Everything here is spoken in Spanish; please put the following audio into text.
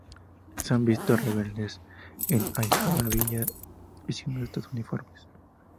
Se han visto rebeldes en Ajdabiya vistiendo estos uniformes.